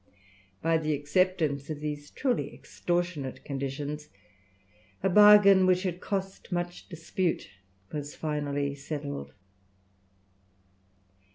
By the acceptance of these truly extortionate conditions a bargain, which had cost much dispute, was finally settled.